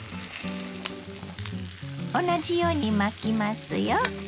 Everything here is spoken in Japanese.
同じように巻きますよ。